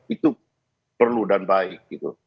itu perlu dan baik gitu